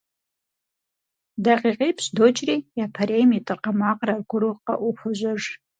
ДакъикъипщӀ докӀри, япэрейм и тӀыркъэ макъыр аргуэру къэӀуу хуожьэж.